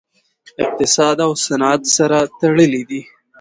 اقتصاد او صنعت سره تړلي دي